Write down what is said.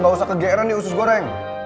ya gak usah ke gran ya usus goreng